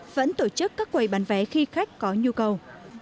vẫn tổ chức các quầy bán vé khi khách có nhu cầu